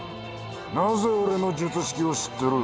なぜ俺の術式を知ってる？